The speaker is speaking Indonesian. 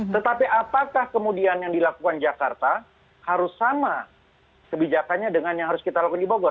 tetapi apakah kemudian yang dilakukan jakarta harus sama kebijakannya dengan yang harus kita lakukan di bogor